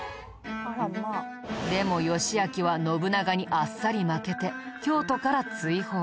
でも義昭は信長にあっさり負けて京都から追放。